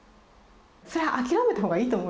それは諦めたほうがいいと思います。